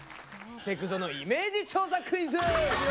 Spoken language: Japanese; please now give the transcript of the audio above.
セクゾのイメージ調査クイズ！